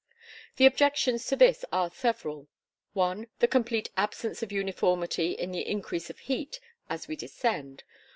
The objections to this are several. One, the complete absence of uniformity in the increase of heat as we descend.